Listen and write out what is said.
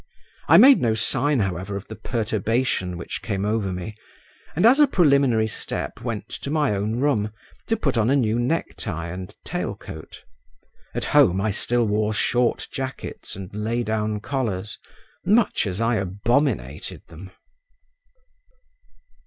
I made no sign, however, of the perturbation which came over me, and as a preliminary step went to my own room to put on a new necktie and tail coat; at home I still wore short jackets and lay down collars, much as I abominated them.